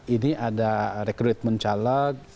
ini ada rekrutmen caleg